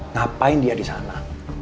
ngapain dia disana